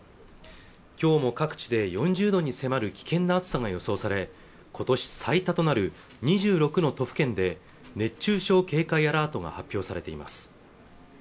今日も各地で４０度に迫る危険な暑さが予想され今年最多となる２６の都府県で熱中症警戒アラートが発表されています